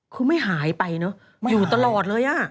คือไม่หายไปเนอะอยู่ตลอดเลยอ่ะ